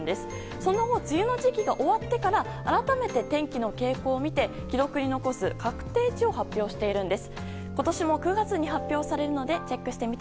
その後梅雨の時期が終わってから改めて天気の傾向を見て記録に残す確定値を発表しているんです。